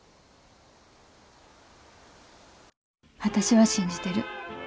私は信じてる。